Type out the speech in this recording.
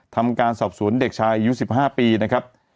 ทำการสอบสวนเด็กชายอายุ๑๕ปีนะครับ